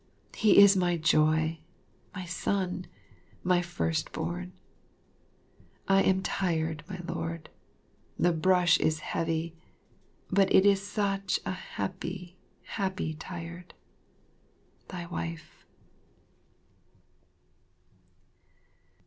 He is my joy, my son, my first born. I am tired, my lord, the brush is heavy, but it is such a happy, happy tired. Thy Wife.